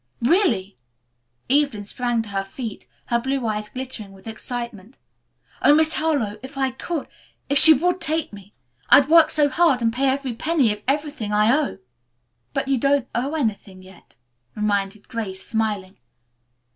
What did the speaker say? "Really!" Evelyn sprang to her feet, her blue eyes glittering with excitement. "Oh, Miss Harlowe, if I could, if she would take me! I'd work so hard and pay every penny of everything I owe." "But you don't owe anything yet," reminded Grace, smiling.